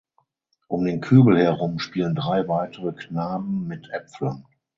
Um den Kübel herum spielen drei weitere Knaben mit Äpfeln.